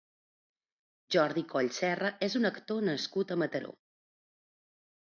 Jordi Coll Serra és un actor nascut a Mataró.